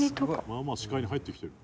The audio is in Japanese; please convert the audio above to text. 「まあまあ視界に入ってきてる」